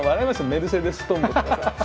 「メルセデストンボ」とかさ。